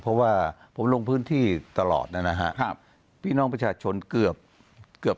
เพราะว่าผมลงพื้นที่ตลอดนะฮะครับพี่น้องประชาชนเกือบเกือบ